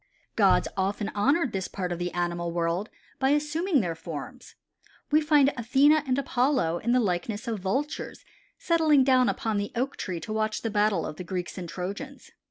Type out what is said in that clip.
Gods often honored this part of the animal world by assuming their forms. We find Athene and Apollo in the likeness of Vultures settling down upon the Oak tree to watch the battle of the Greeks and Trojans.